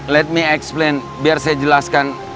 let me explain biar saya jelaskan